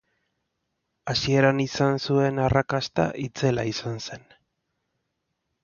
Hasieran izan zuen arrakasta itzela izan zen.